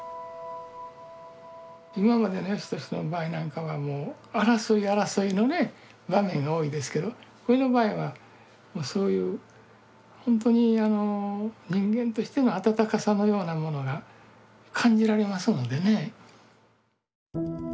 今までの芳年の場合なんかはもう争い争いのね場面が多いですけどこれの場合はそういう本当にあの人間としての温かさのようなものが感じられますのでね。